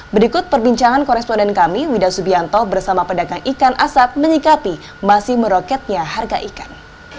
berikut perbincangan koresponden kami wida subianto bersama pedagang ikan asap menyikapi masih meroketnya harga ikan